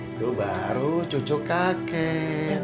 itu baru cucuk kakek